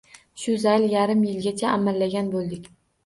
Shu zayl yarim yilgacha amallagan bo‘ldik.